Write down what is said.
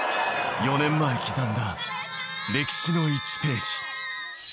４年前、刻んだ歴史の１ページ。